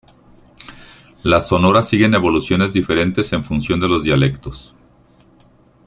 Las sonoras siguen evoluciones diferentes en función de los dialectos.